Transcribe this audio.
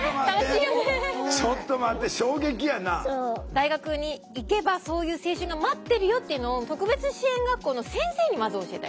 大学に行けばそういう青春が待ってるよっていうのを特別支援学校の先生にまず教えたい。